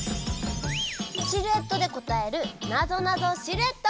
シルエットで答える「なぞなぞシルエット」。